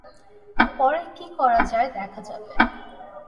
পরে কি করা যায় দেখা যাবে।